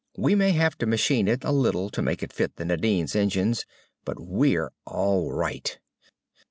We may have to machine it a little to make it fit the Nadine's engines. But we're all right!"